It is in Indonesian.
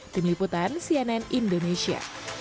tim liputan cnn indonesia